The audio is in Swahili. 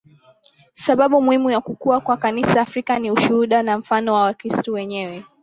Sababu muhimu ya kukua kwa Kanisa Afrika ni ushuhuda na mfano wa Wakristo wenyewe